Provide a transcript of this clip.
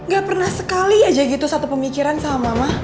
gak pernah sekali aja gitu satu pemikiran sama mama